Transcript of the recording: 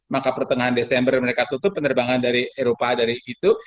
maka pertengahan desember mereka tutup penerbangan dari eropa dari itu